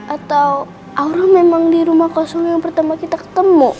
atau aura memang di rumah kosong yang pertama kita ketemu